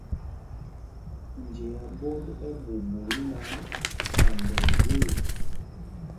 Njea ɓot ɛɓuuɓu í náǎ, kanda ɛ́ gwee ê.